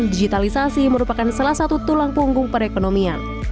digitalisasi merupakan salah satu tulang punggung perekonomian